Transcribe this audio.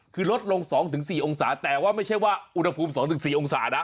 คือลดลง๒๔องศาแต่ว่าไม่ใช่ว่าอุณหภูมิ๒๔องศานะ